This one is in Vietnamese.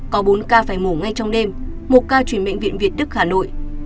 có bốn ca phải ngủ ngay trong đêm một ca chuyển bệnh viện việt đức hà nội